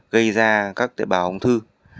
gây ra các tế bào ống thư